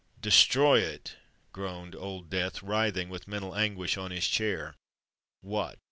—destroy it!" groaned Old Death, writhing with mental anguish on his chair: "what?